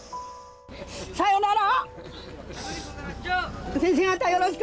さよなら！